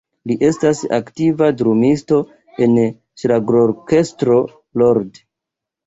Li estas aktiva drumisto en ŝlagrorkestro "Lord".